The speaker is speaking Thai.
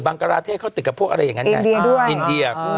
บังการาเทศเขาติดกับพวกอะไรอย่างนั้นใช่ไหมอินเดียด้วย